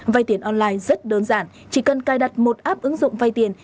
vai tiền online rất đơn giản chỉ cần cài đặt một app ứng dụng vai tiền